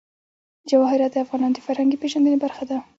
جواهرات د افغانانو د فرهنګي پیژندنې برخه ده.